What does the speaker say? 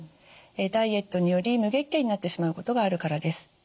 ダイエットにより無月経になってしまうことがあるからです。